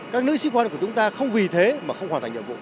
các nữ sĩ quan của chúng ta không vì thế mà không hoàn thành nhiệm vụ